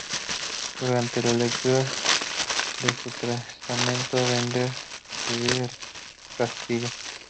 Durante la lectura de su testamento, Bender recibe el castillo.